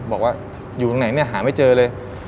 บอกว่าอยู่ตรงไหนเนี่ยหาไม่เจอเลย